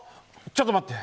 ちょっと待って。